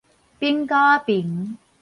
反狗仔爿